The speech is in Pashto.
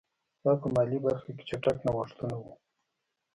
دا په مالي برخه کې چټک نوښتونه وو.